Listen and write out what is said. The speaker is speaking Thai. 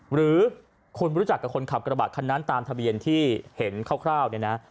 หรือคุณรู้จักกับคนขับกระบะคันนั้นตามทะเบียนที่เห็นคร่าวเนี่ยนะ